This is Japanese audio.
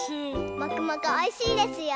もくもくおいしいですよ。